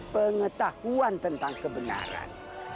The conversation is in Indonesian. pengetahuan tentang kebenaran